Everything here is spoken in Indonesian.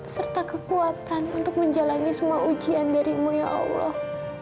serta kekuatan untuk menjalani semua ujian darimu ya allah